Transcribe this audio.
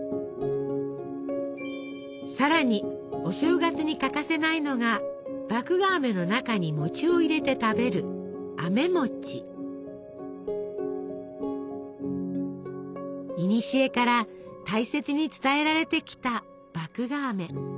さらにお正月に欠かせないのが麦芽あめの中に餅を入れて食べるいにしえから大切に伝えられてきた麦芽あめ。